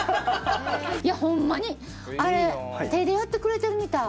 いやホンマにあれ手でやってくれてるみたい。